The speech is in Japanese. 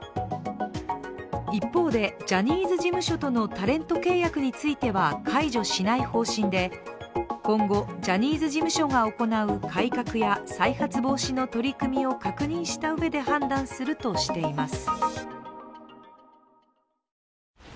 一方で、ジャニーズ事務所とのタレント契約については解除しない方針で今後、ジャニーズ事務所が行う改革や再発防止の取り組みを確認したうえで判断するとしています。